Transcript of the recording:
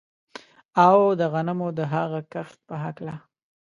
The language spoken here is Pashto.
او د غنمو د هغه کښت په هکله